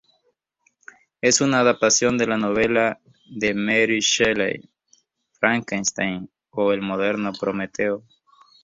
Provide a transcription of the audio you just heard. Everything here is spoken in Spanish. Es una adaptación de la novela de Mary Shelley "Frankenstein o el moderno Prometeo".